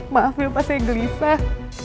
maafin pak saya gelisah